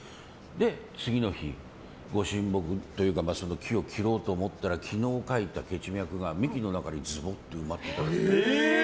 次の日、ご神木というかその木を切ろうと思ったら昨日書いた血脈が幹の中に、ずぼって埋まってた。